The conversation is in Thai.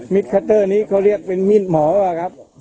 คัตเตอร์นี้เขาเรียกเป็นมีดหมอครับ